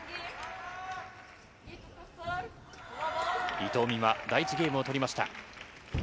伊藤美誠、第１ゲームを取りました。